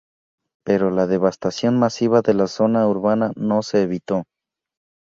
Pero la devastación masiva de la zona urbana no se evitó.